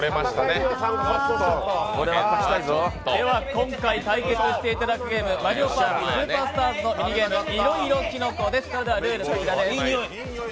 今回対決していただくゲーム、「マリオパーティスーパースターズ」の「いろいろキノコ」です。